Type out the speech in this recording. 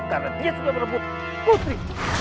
karena dia sudah merebut putri